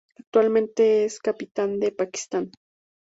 Actualmente es capitan del Pakistan.